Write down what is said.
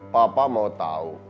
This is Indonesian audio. papa mau tahu